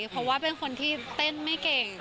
เพราะว่าเป็นคนที่เต้นไม่เก่ง